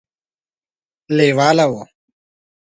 لېواله وو.